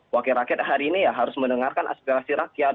wakil rakyat hari ini ya harus mendengarkan aspirasi rakyat